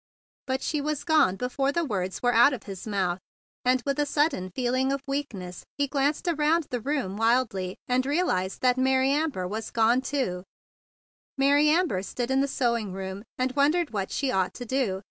But she was gone before the words were out of his mouth, and with a sudden feeling of weakness he glanced around the room wildly, and realized that Mary Amber was gone too. 166 THE BIG BLUE SOLDIER Mary Amber stood in the sewing room, and wondered what she ought to do.